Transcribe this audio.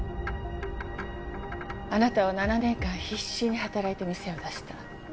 あなたは７年間必死に働いて店を出した。